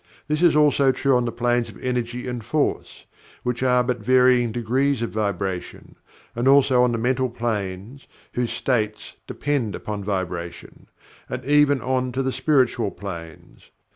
This is also true on the planes of energy and force (which are but varying degrees of vibration); and also on the mental planes (whose states depend upon vibrations); and even on to the spiritual planes.